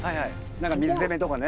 何か水攻めとかね。